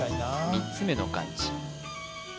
３つ目の漢字